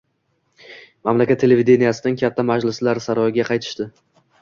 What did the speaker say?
Mamlakat televideniyesining katta majlislar saroyiga qaytishdi.